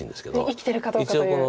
生きてるかどうかという。